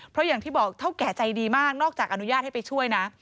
เพราะอย่างที่บอกเท่าแก่ใจดีมากนอกจากอนุญาตให้ไปช่วยนะ